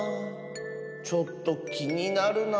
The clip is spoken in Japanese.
ちょっときになるな。